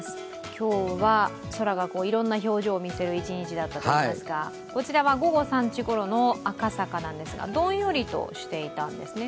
今日は空がいろんな表情を見せる一日だったと思いますがこちらは午後３時ごろの赤坂なんですが、どんよりとしていたんですね。